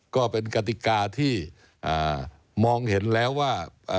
ก็เป็นกติกาที่มองเห็นแล้วว่า